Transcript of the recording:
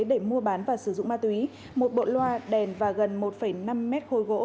để mua bán và sử dụng ma túy một bộ loa đèn và gần một năm mét khối gỗ